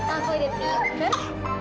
aku ada pinter